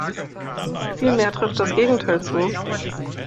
Vielmehr trifft das Gegenteil zu.